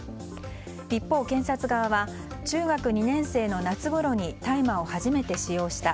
一方、検察側は中学２年生の夏ごろに大麻を初めて使用した。